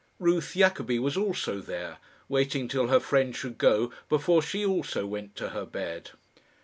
Ruth Jacobi was also there, waiting till her friend should go, before she also went to her bed.